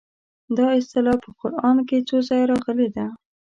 دا اصطلاح په قران کې څو ځایه راغلې ده.